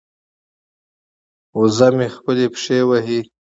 وزه مې خپلې پښې وهي.